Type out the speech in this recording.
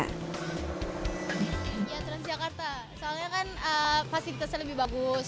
karena fasilitasnya lebih bagus